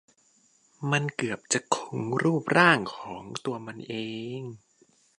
มันเกือบจะคงรูปร่างของตัวมันเอง